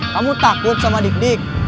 kamu takut sama dik dik